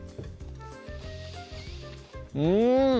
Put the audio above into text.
うん！